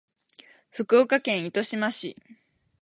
福岡県糸島市